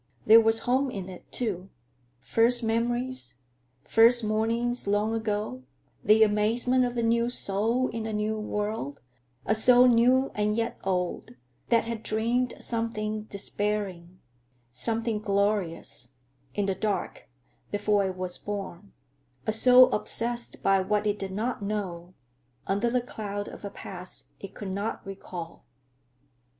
There was home in it, too; first memories, first mornings long ago; the amazement of a new soul in a new world; a soul new and yet old, that had dreamed something despairing, something glorious, in the dark before it was born; a soul obsessed by what it did not know, under the cloud of a past it could not recall.